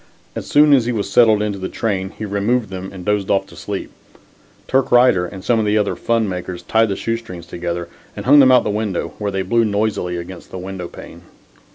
As soon as he was settled in the train he removed them and dozed off to sleep. Turk Righter and some of the other fun makers tied the shoe strings together, and hung them out of the window where they blew noisily against the window pane.